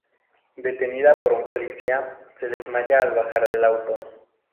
Detenida por un policía, se desmaya al bajar del auto.